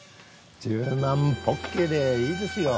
１０万ぽっきりでいいですよ。